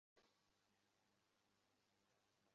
আমি কিভাবে জানলে?